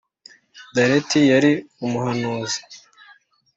Daleti yari umuhanuzi